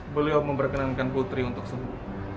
beliau memperkenankan putri untuk sembuh